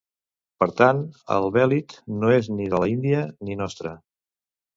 Per tant el bèlit no és ni de l’Índia, ni nostre.